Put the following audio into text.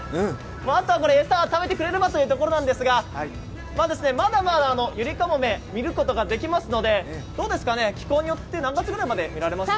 あとは餌を食べてくれればというところですが、まだまだユリカモメ、見ることができますので気候によって何月ぐらいまで見られますか？